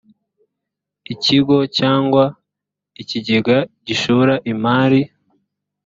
ikigo cyangwa ikigega gishora imari